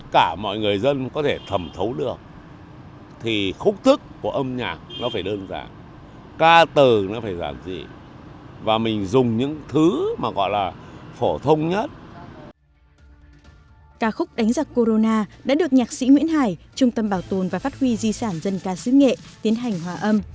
cả khúc đánh giặc corona đã được nhạc sĩ nguyễn hải trung tâm bảo tồn và phát huy di sản dân ca sứ nghệ tiến hành hòa âm